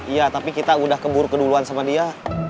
iya tapi kita udah keburu keduluan sama dia